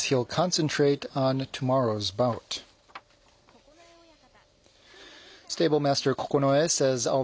九重親方。